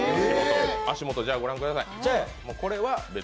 足元、じゃあご覧ください。